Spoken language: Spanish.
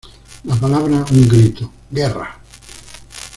La palabra, un grito: ¡Guerra!